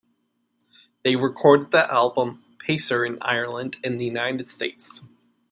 They recorded the album "Pacer" in Ireland and the United States.